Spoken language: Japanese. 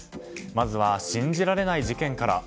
まずは、信じられない事件から。